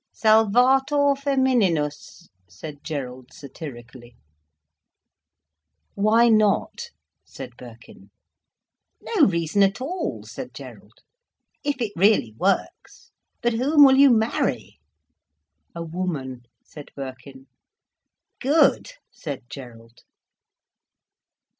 "Salvator femininus," said Gerald, satirically. "Why not?" said Birkin. "No reason at all," said Gerald, "if it really works. But whom will you marry?" "A woman," said Birkin. "Good," said Gerald.